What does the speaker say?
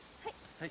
はい。